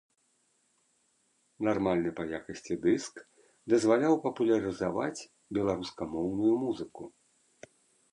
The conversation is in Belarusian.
Нармальны па якасці дыск дазваляў папулярызаваць беларускамоўную музыку.